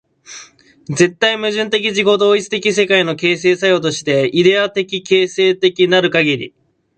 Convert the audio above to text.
絶対矛盾的自己同一的世界の形成作用として、イデヤ的形成的なるかぎり、